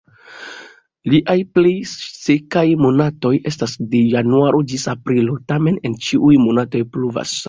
Lia plej sekaj monatoj estas de januaro ĝis aprilo, tamen, en ĉiuj monatoj pluvas.